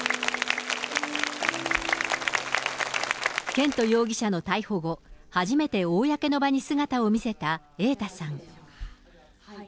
絢斗容疑者の逮捕後、初めて公の場に姿を見せた瑛太さん。